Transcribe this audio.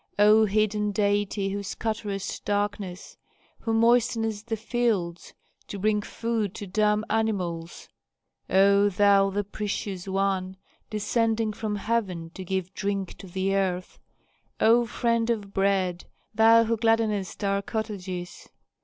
O hidden deity who scatterest darkness, who moistenest the fields, to bring food to dumb animals, O thou the precious one, descending from heaven to give drink to the earth, O friend of bread, thou who gladdenest our cottages!